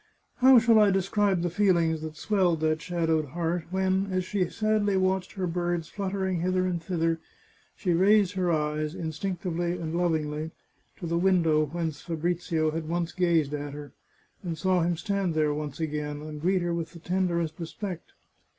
How shall I describe the feelings that swelled that shadowed heart when, as she sadly watched her birds fluttering hither and thither, she raised her eyes, instinctively, and lovingly, to the window whence Fabrizio had once gazed at her, and saw him stand there once again, and greet her with the tenderest respect.